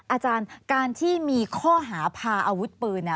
อาจารย์การที่มีข้อหาพาอาวุธปืน